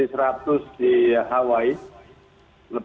maka para posyat penerbangan sadar